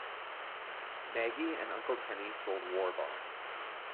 Maggie and Uncle Kenny sold war bonds.